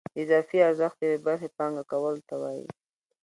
د اضافي ارزښت یوې برخې پانګه کولو ته وایي